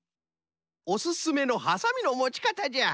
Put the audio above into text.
おすすめのはさみのもち方じゃ。